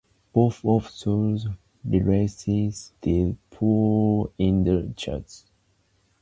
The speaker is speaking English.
Both of these releases did poorly in the charts.